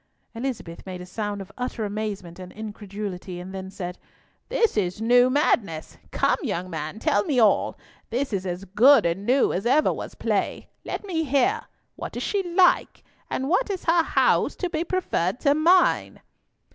Elizabeth made a sound of utter amazement and incredulity, and then said, "This is new madness! Come, young man, tell me all! This is as good and new as ever was play. Let me hear. What like is she? And what is her house to be preferred to mine?"